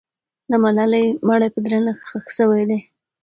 د ملالۍ مړی په درنښت ښخ سوی دی.